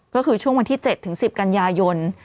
ก็คือช่วงวันที่๗๑๐กันยายน